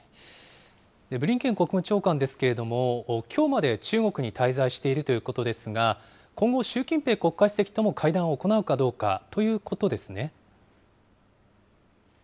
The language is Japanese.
ブリンケン国務長官ですけれども、きょうまで中国に滞在しているということですが、今後、習近平国家主席とも会談を行うかどうかということですね。